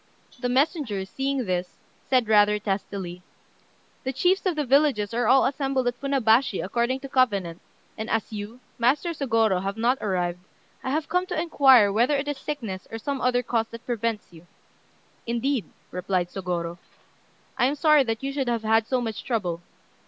The messenger, seeing this, said rather testily "The chiefs of the villages are all assembled at Funabashi according to covenant, and as you, Master Sôgorô, have not arrived, I have come to inquire whether it is sickness or some other cause that prevents you." "Indeed," replied Sôgorô, "I am sorry that you should have had so much trouble.